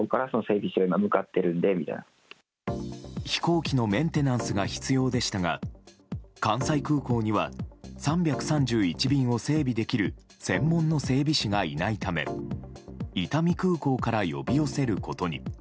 飛行機のメンテナンスが必要でしたが関西空港には３３１便を整備できる専門の整備士がいないため伊丹空港から呼び寄せることに。